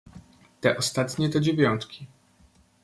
"Te ostatnie to dziewiątki."